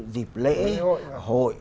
dịp lễ hội